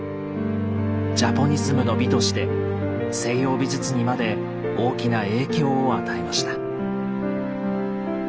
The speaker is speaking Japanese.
「ジャポニスムの美」として西洋美術にまで大きな影響を与えました。